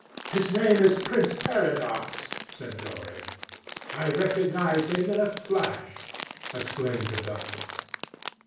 "His name is Prince Paradox," said Dorian. "I recognize him in a flash," exclaimed the duchess.